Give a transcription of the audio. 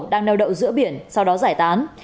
đang nêu đậu giữa biển sau đó giải tán